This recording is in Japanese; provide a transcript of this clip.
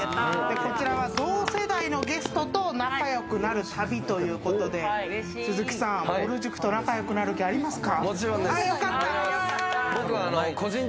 こちらは同世代のゲストと仲良くなる旅ということで、鈴木さん、ぼる塾と仲良くなる気ありますか？